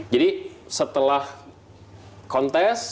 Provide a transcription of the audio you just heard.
jadi setelah kontes